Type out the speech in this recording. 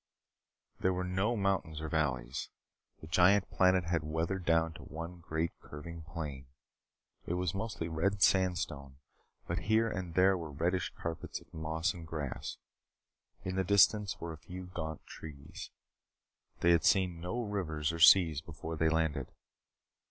There were no mountains or valleys. The giant planet had weathered down to one great curving plain. It was mostly red sandstone, but here and there were reddish carpets of moss and grass. In the distance were a few gaunt trees. They had seen no rivers or seas before they landed.